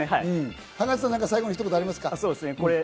ハガンツさん、最後にひと言ありますか？